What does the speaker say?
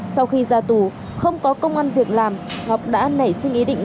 sau khi ra tù không có công an việc làm ngọc đã nảy sinh ý định